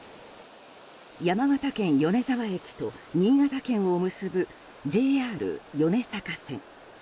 山形県米沢駅と新潟県を結ぶＪＲ米坂線。